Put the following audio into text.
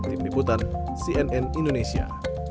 tim liputan cnn indonesia